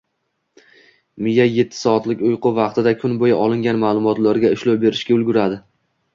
Miya etti soatlik uyqu vaqtida kun bo‘yi olingan ma’lumotlarga ishlov berishga ulguradi.